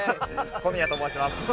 小宮と申します。